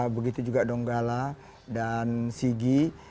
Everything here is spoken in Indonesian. begitu juga donggala dan sigi